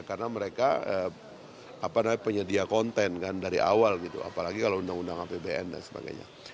karena mereka penyedia konten dari awal gitu apalagi kalau undang undang apbn dan sebagainya